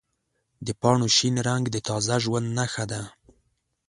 د پاڼو شین رنګ د تازه ژوند نښه ده.